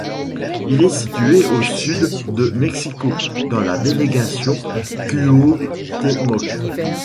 Il est situé au sud de Mexico, dans la délégation Cuauhtémoc.